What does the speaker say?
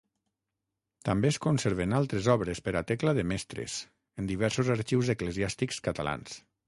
També es conserven altres obres per a tecla de Mestres en diversos arxius eclesiàstics catalans.